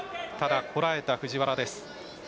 こらえた藤原です。